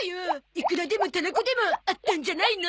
イクラでもタラコでもあったんじゃないの？